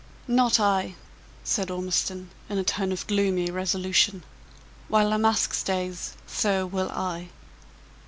"Not I!" said Ormiston, in a tone of gloomy resolution. "While La Masque stays, so will I."